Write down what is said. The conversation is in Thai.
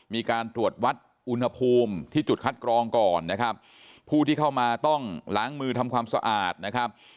มีการตรวจวัดอุณหภูมิที่จุดคัดกรองก่อนนะครับผู้ที่เข้ามาต้องล้างมือทำความสะอาดนะครับ